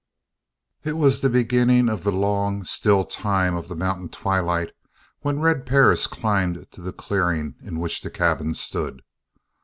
It was the beginning of the long, still time of the mountain twilight when Red Perris climbed to the clearing in which the cabin stood.